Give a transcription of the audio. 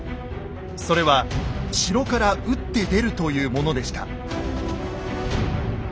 それは城から打って出るというものでした。